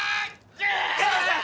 加藤さん！